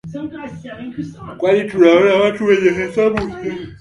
kwani tunaona watu wenye kubeba sihala